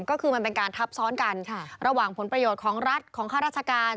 ก็คือมันเป็นการทับซ้อนกันระหว่างผลประโยชน์ของรัฐของข้าราชการ